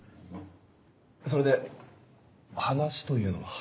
それで話というのは？